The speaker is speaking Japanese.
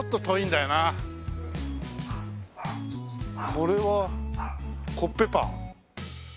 これはコッペパン？